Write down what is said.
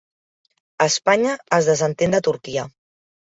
Espanya es desentén de Turquia